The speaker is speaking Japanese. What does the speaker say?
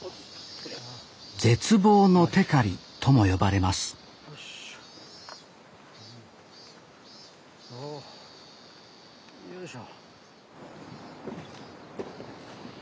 「絶望のてかり」とも呼ばれますよいしょ。